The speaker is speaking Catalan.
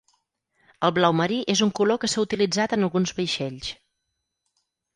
El blau marí és un color que s'ha utilitzat en alguns vaixells.